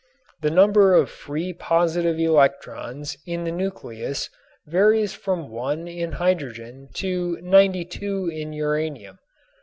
The number of free positive electrons in the nucleus varies from one in hydrogen to 92 in uranium.